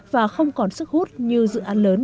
và không còn sức hút như dự án lớn